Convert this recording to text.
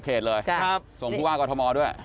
เขตเลยส่งผู้ว่ากอทมด้วย